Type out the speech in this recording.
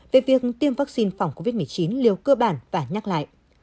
về việc tiêm vắc xin phòng covid một mươi chín liêu cơ bản và nhắc lại